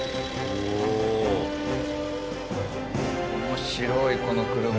面白いこの車。